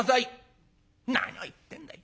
何を言ってんだい。